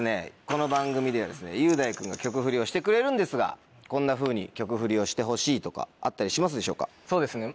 この番組ではですね雄大君が曲フリをしてくれるんですがこんなふうに曲フリをしてほしいとかあったりしますでしょうか？